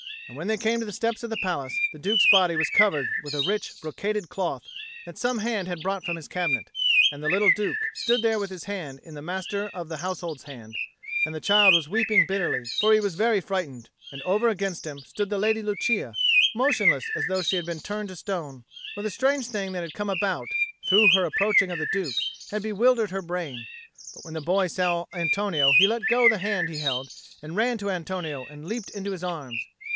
And when they came to the steps of the palace, the Duke's body was covered with a rich brocaded cloth that some hand had brought from his cabinet; and the little Duke stood there with his hand in the Master of the Household's hand; and the child was weeping bitterly, for he was very frightened; and over against him stood the Lady Lucia, motionless as though she had been turned to stone; for the strange thing that had come about through her approaching of the Duke had bewildered her brain. But when the boy saw Antonio he let go the hand he held and ran to Antonio and leapt into his arms.